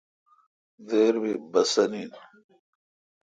دیر بی بھسن این